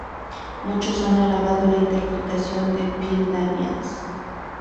Muchos han alabado la interpretación de Phil Daniels.